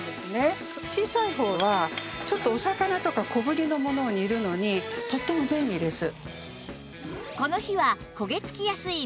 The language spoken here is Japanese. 小さい方はちょっとお魚とか小ぶりのものを煮るのにとっても便利です。